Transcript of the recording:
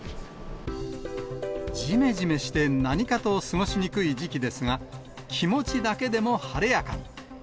じめじめして何かと過ごしにくい時期ですが、気持ちだけでも晴れやかに。